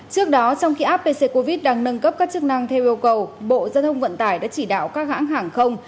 trước đó trong khi app pc covid đang nâng cấp các chức năng theo yêu cầu bộ gia thông vận tải đã chỉ đạo các hãng hàng không